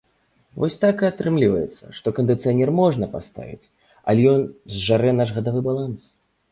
Вось так і атрымліваецца, што кандыцыянер можна паставіць, але ён зжарэ наш гадавы баланс.